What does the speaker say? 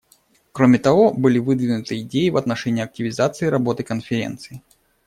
Кроме того, были выдвинуты идеи в отношении активизации работы Конференции.